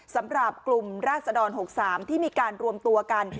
สำหรับกลุ่มราศดร๖๓ที่มีการรวมตัวกัน